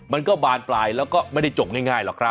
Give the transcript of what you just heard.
มันก็บานปลายแล้วก็ไม่ได้จบง่ายหรอกครับ